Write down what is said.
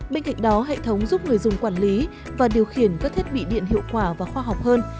bên cạnh đó hệ thống giúp người dùng quản lý và điều khiển các thiết bị điện hiệu quả và khoa học hơn